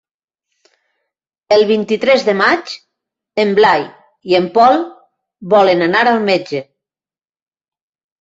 El vint-i-tres de maig en Blai i en Pol volen anar al metge.